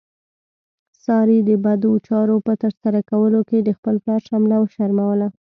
سارې د بدو چارو په ترسره کولو سره د خپل پلار شمله وشرموله.